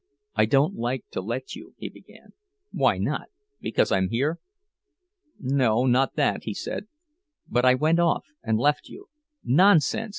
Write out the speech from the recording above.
"I don't like to let you—" he began. "Why not? Because I'm here?" "No, not that," he said. "But I went off and left you—" "Nonsense!"